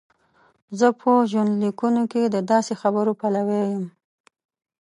زه په ژوندلیکونو کې د داسې خبرو پلوی یم.